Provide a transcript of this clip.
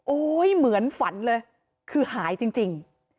เหมือนฝันเลยคือหายจริง